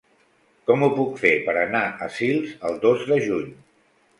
Com ho puc fer per anar a Sils el dos de juny?